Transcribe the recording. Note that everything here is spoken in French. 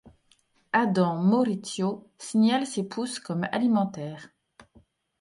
Adam Maurizio signale ses pousses comme alimentaires.